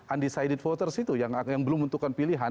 undecided voters itu yang belum menentukan pilihan